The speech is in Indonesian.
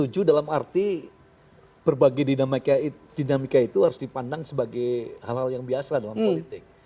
setuju dalam arti berbagai dinamika itu harus dipandang sebagai hal hal yang biasa dalam politik